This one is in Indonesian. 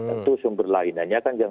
itu sumber lainnya kan yang